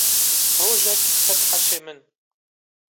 rojek ket heşê min.